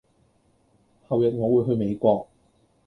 後日我會去美國